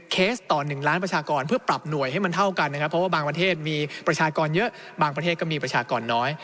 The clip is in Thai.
เคสต่อ๑ล้านประชากรเพื่อปรับหน่วยให้มันเท่ากันนะครับเพราะว่าบางประเทศมีประชากรเยอะบางประเทศก็มีประชากรน้อย